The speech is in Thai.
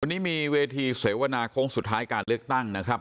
วันนี้มีเวทีเสวนาโค้งสุดท้ายการเลือกตั้งนะครับ